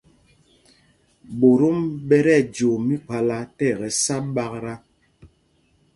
Ɓotom ɓɛ tí ɛjoo míkphālā tí ɛkɛ sá ɓaktá.